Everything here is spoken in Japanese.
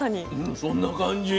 うんそんな感じ。